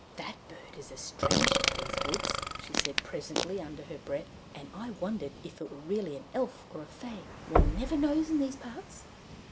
"That bird is a stranger to these woods," she said presently under her breath, "and I wondered if it were really an Elf or a Fée. One never knows in these parts."